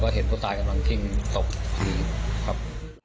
ก็เห็นผู้ตายกำลังทิ้งตกทีครับ